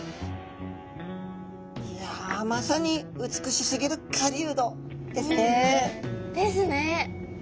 いやまさに「美しすぎる狩人」ですね！ですね！